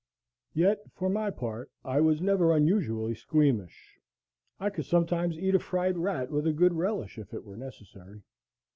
Yet, for my part, I was never unusually squeamish; I could sometimes eat a fried rat with a good relish, if it were necessary.